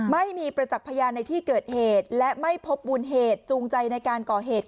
ไม่มีประจักษ์พยานในที่เกิดเหตุและไม่พบมูลเหตุจูงใจในการก่อเหตุ